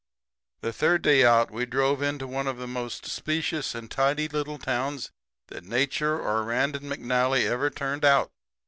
"The third day out we drove into one of the most specious and tidy little towns that Nature or Rand and McNally ever turned out.